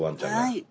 はい。